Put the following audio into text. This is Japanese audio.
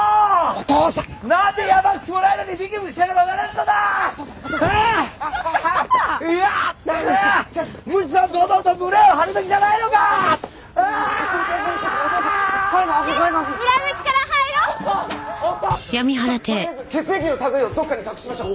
お義父さん！ととりあえず血液の類いをどっかに隠しましょう。